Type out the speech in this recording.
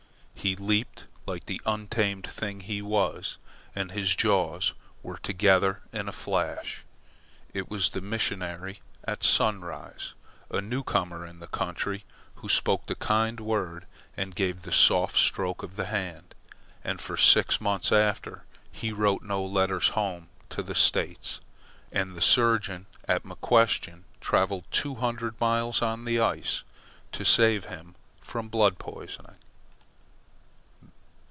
He leaped like the untamed thing he was, and his jaws were together in a flash. It was the missionary at Sunrise, a newcomer in the country, who spoke the kind word and gave the soft stroke of the hand. And for six months after, he wrote no letters home to the States, and the surgeon at McQuestion travelled two hundred miles on the ice to save him from blood poisoning.